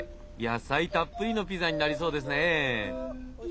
野菜たっぷりのピザになりそうですね。